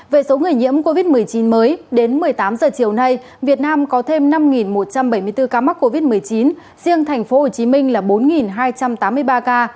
về số người nhiễm covid một mươi chín mới đến một mươi tám h chiều nay việt nam có thêm năm một trăm bảy mươi bốn ca mắc covid một mươi chín riêng tp hcm là bốn hai trăm tám mươi ba ca